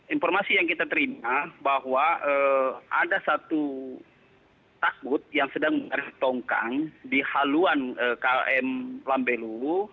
informasi yang kita terima bahwa ada satu takut yang sedang bertongkang di haluan km lambelu